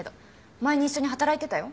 前に一緒に働いてたよ。